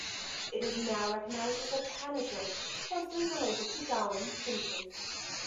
It is now recognized as a tanager closely related to Darwins finches.